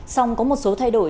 song có một số thay đổi